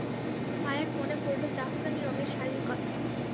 আয়ার মনে পড়ল জাফরানী রঙের শাড়ির কথা।